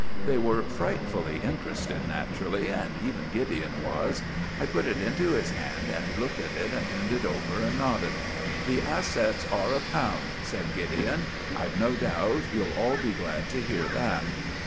They were frightfully interested, naturally, and even Gideon was. I put it into his hand and he looked at it and turned it over and nodded. "The assets are a pound," said Gideon; "I've no doubt you'll all be glad to hear that."